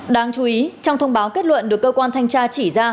đáng chú ý trong thông báo kết luận được cơ quan thanh tra chỉ ra